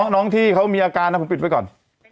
น้องที่เขามีอาการนะผมปิดไปก่อน